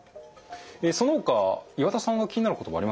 えそのほか岩田さんが気になる言葉あります？